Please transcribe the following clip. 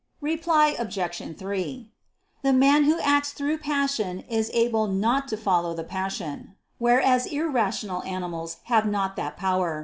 Reply Obj. 3: The man who acts through passion is able not to follow the passion: whereas irrational animals have not that power.